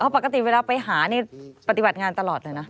ปกติเวลาไปหานี่ปฏิบัติงานตลอดเลยนะ